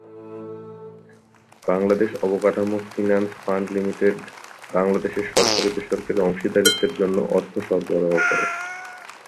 বাংলাদেশ অবকাঠামো finance fund limited বাংলাদেশে সরকারী-বেসরকারী অংশীদারিত্বের জন্য অর্থ সরবরাহ করে।